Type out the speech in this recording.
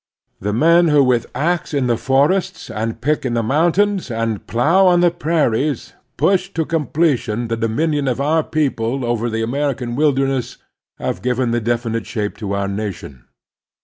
The men who with ax in the forests and pick in the mountains and plow on the prairies pushed to completion the dominion of our people over the American wilderness have given the defi nite shape to our nation.